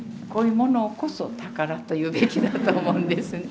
こういうものをこそ宝と言うべきだと思うんです。